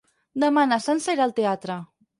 Demà na Sança irà al teatre.